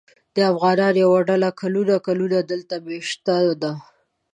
د افغانانو یوه ډله کلونه کلونه دلته مېشته ده.